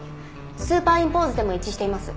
スーパーインポーズでも一致しています。